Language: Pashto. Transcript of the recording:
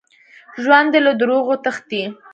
ژوندي له دروغو تښتي